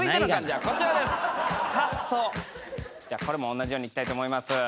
これもおんなじようにいきたいと思います。